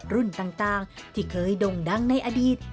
ต่างที่เคยด่งดังในอดีต